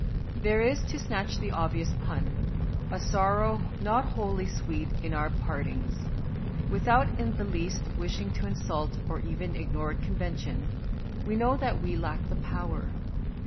There is, to snatch the obvious pun, a sorrow not wholly sweet in our part ings. Without in the least wishing to insult or even ignore convention, we know that we lack the power.